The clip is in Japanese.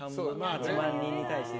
８万人に対して。